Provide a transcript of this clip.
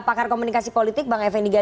pakar komunikasi politik bang eveni gajah